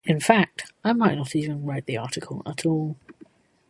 In fact, I might not even write the article at all.